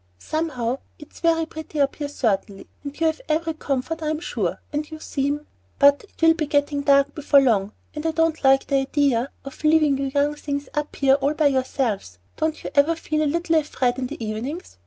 Somehow it's very pretty up here certainly, and you have every comfort I'm sure, and you seem But it will be getting dark before long, and I don't like the idea of leaving you young things up here all by yourselves. Don't you ever feel a little afraid in the evenings?